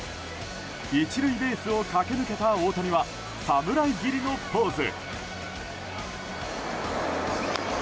１塁ベースを駆け抜けた大谷は侍斬りのポーズ。